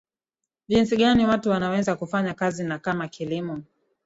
jinsi gani watu wanaweza kufanya kazi na kama kilimo